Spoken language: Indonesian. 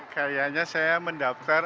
kayaknya saya mendaftar